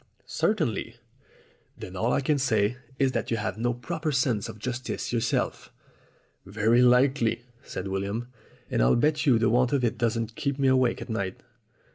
"Certainly." "Then all I can say is that you have no proper sense of justice yourself." "Very likely," said William. "And I'll bet you the want of it doesn't keep me awake at night.